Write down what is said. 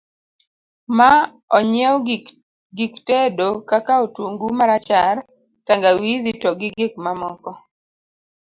ma onyiew gik tedo kaka otungu marachar, tangawizi to gi gik mamoko